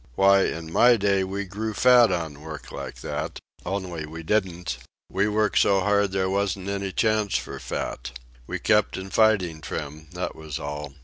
Why, in my day we grew fat on work like that—only we didn't; we worked so hard there wasn't any chance for fat. We kept in fighting trim, that was all.